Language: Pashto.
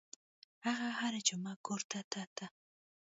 هغه هره جمعه کور ته ته.